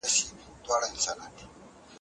تېر کال حکومت نوي سياسي تګلاري جوړي کړې.